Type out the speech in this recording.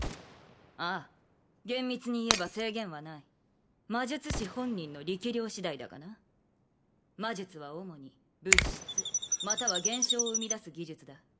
ああ厳密に言えば制限はない魔術師本人の力量次第だがな魔術は主に物質または現象を生み出す技術だ